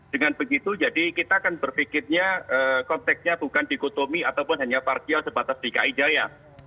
dengan begitu jadi kita akan berpikirnya konteksnya bukan dikotomi ataupun hanya partial sebatas dki jaya